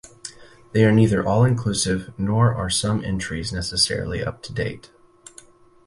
They are neither all-inclusive nor are some entries necessarily up to date.